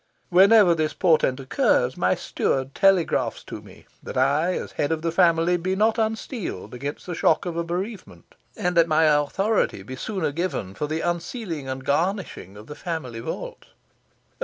Whenever this portent occurs, my steward telegraphs to me, that I, as head of the family, be not unsteeled against the shock of a bereavement, and that my authority be sooner given for the unsealing and garnishing of the family vault.